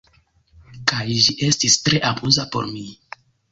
Kaj ĝi estis tre amuza por mi.